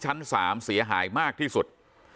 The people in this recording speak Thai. ชั้น๓เสียหายมากที่สุด